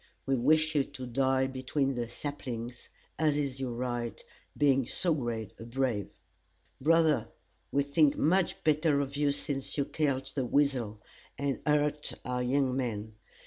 We wish you to die between the saplings, as is your right, being so great a brave. "Brother, we think much better of you since you killed The Weasel, and hurt our young men.